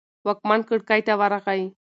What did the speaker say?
واکمن کړکۍ ته ورغی.